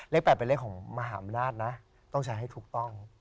๘เป็นเลขของมหาอำนาจนะต้องใช้ให้ถูกต้อง